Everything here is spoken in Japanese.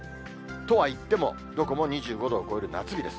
とはいっても、どこも２５度を超える夏日です。